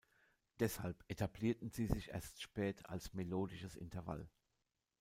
Deshalb etablierten sie sich erst spät als melodisches Intervall.